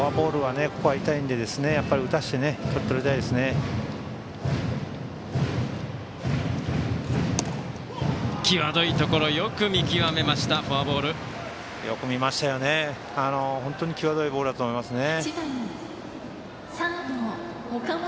本当に際どいボールだったと思いますね。